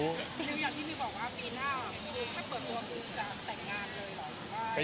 อย่างที่มีบอกว่าปีหน้าเคยแค่เปิดตัวก็จะแต่งงานเลยหรือเปล่า